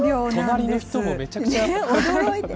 隣の人もめちゃくちゃ速かった。